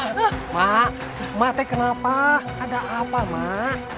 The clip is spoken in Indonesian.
mak mak mak tep kenapa ada apa mak